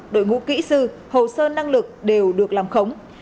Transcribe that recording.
đội ngũ kỹ sư hồ sơ năng lực đều được làm khống